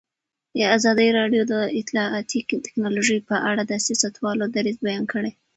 ازادي راډیو د اطلاعاتی تکنالوژي په اړه د سیاستوالو دریځ بیان کړی.